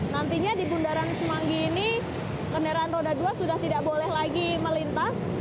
nantinya di bundaran semanggi ini kendaraan roda dua sudah tidak boleh lagi melintas